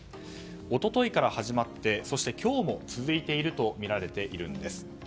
一昨日から始まってそして今日も続いているとみられています。